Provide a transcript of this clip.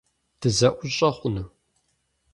Дызэӏущӏэ хъуну?